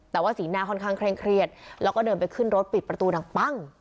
แต่ว่าสีหน้าค่อนข้างเคร่งเครียดแล้วก็เดินไปขึ้นรถปิดประตูดังปั้ง